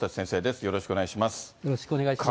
よろしくお願いします。